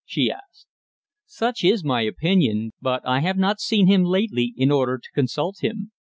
she asked. "Such is my opinion. But I have not seen him lately in order to consult him."